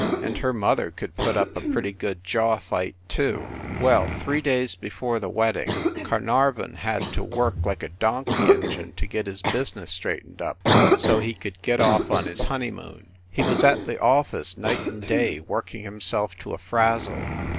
and her mother could put up a pretty good jaw fight, too. Well, three days before the wedding Carnarvon had to work like a donkey engine to get his business straightened up, so he could get off on his honey moon. He was at the office night and day working himself to a frazzle.